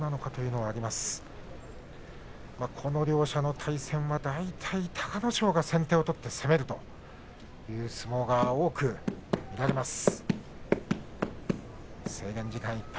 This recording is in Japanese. この両者の対戦は大体隆の勝が先手を取って攻めるという相撲が多くなります。